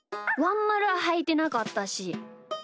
ワンまるははいてなかったし。